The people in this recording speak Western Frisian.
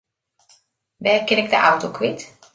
Wêr kin ik de auto kwyt?